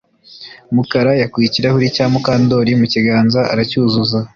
Mukara yakuye ikirahuri cya Mukandoli mu kiganza aracyuzuza